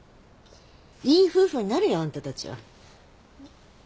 いい夫婦になるよあんたたちは。